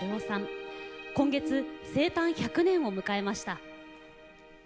今月生誕１００年を迎えました。